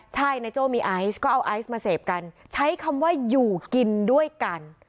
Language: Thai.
ใช่นายโจ้มีไอซ์ก็เอาไอซ์มาเสพกันใช้คำว่าอยู่กินด้วยกัน